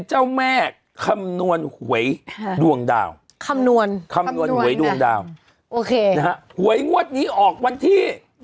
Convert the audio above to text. หวยงวดนี้ออกวันที่